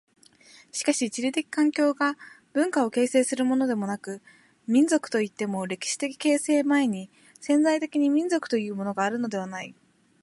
しかし地理的環境が文化を形成するのでもなく、民族といっても歴史的形成前に潜在的に民族というものがあるのではない。